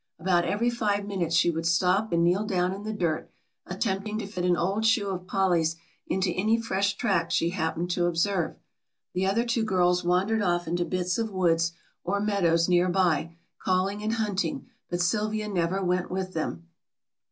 About every five minutes she would stop and kneel down in the dirt, attempting to fit an old shoe of Polly's into any fresh track she happened to observe. The other two girls wandered off into bits of woods or meadows near by, calling and hunting, but Sylvia never went with them.